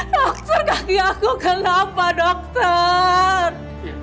dokter kaki aku kelapa dokter